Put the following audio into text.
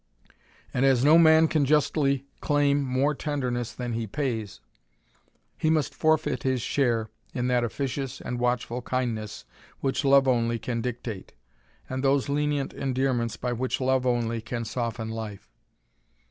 And as no man can justly claim more tenderness than he pays, he must forfeit his share in that officious and watchful kindness which love only can dictate, and those lenient endearments by which love only can soften life.